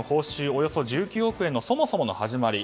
およそ１９億円のそもそもの始まり。